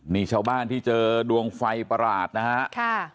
นี่ชาวบ้านที่เจอดวงไฟประหลาดนะฮะ